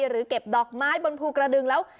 หรือเก็บดอกไม้บนภูกระดึงแล้ว